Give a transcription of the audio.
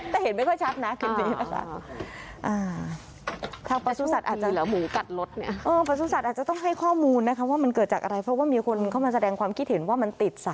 แต่เห็นไม่ค่อยชัดนะ